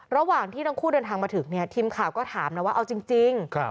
ระหว่างที่ทั้งคู่เดินทางมาถึงเนี่ยทีมข่าวก็ถามนะว่าเอาจริง